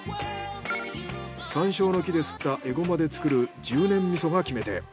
山椒の木ですったエゴマで作るじゅうねん味噌が決め手。